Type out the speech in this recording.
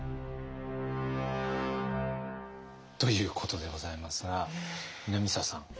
ということでございますが南沢さん。